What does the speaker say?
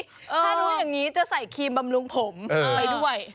ถ้ารู้อย่างนี้จะใส่ครีมบำรุงผมไปด้วย